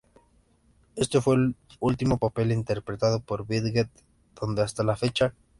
Este fue el último papel interpretado por Bridget Fonda hasta la fecha.